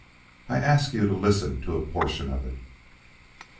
I will ask you to listen to a portion of it.